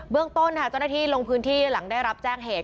เรื่องต้นเจ้าหน้าที่ลงพื้นที่หลังได้รับแจ้งเหตุ